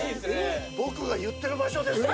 僕が言ってる場所です。